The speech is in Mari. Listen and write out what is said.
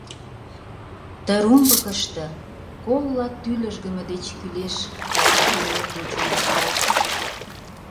Ты румбыкышто колла тӱлыжгымӧ деч кӱлеш кавашке нӧлтын чоҥешташ.